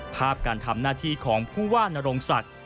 การทำหน้าที่ของผู้ว่านโรงศักดิ์